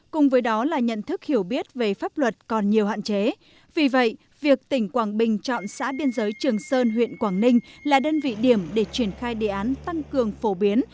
cùng với đó là nhận thức hiểu biết về pháp luật còn nhiều hạn chế vì vậy việc tỉnh quảng bình chọn xã biên giới trường sơn huyện quảng ninh là đơn vị điểm để triển khai đề án tăng cường phổ biến